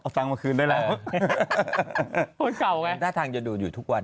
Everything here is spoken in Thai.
เอาตังเมื่อคืนได้แล้วโค้งเก่าไงแน่ทางจะดูอยู่ทุกวัน